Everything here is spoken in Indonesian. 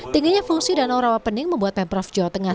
tingginya fungsi danau rawapening membuat pemprov jawa tengah